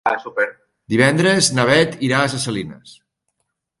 Divendres na Bet irà a Ses Salines.